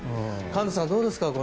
菅野さんはどうですか？